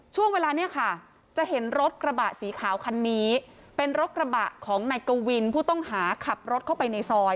ช่วงเวลานี้ค่ะจะเห็นรถกระบะสีขาวคันนี้